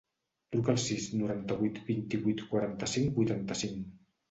Truca al sis, noranta-vuit, vint-i-vuit, quaranta-cinc, vuitanta-cinc.